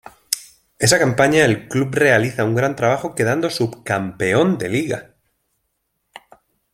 Esa campaña el club realiza un gran trabajo quedando subcampeón de Liga.